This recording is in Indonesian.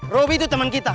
robby itu teman kita